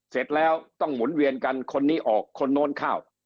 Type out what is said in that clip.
เสร็จแล้วต้องหมุนเวียนกันคนนี้ออกคนโน้นเข้า